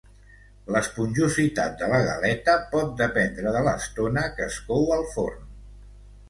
L'esponjositat de la galeta pot dependre de l'estona que es cou al forn.